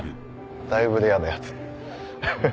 だいぶレアなやつ。